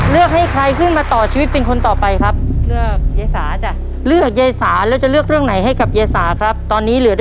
เยซ่านำโหลพุ่งไปวางโหลเป็นทิ้นเรียบร้อยนะครับตอนนี้นะฮะ